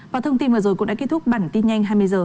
và thông tin vừa rồi cũng đã kết thúc bản tin nhanh hai mươi h